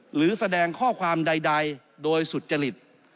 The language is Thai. หรือแสดงข้อความใดโดยสุจริต